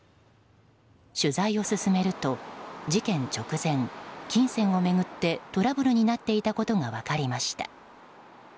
取材を進めると事件直前金銭を巡ってトラブルになっていたことが分かりました。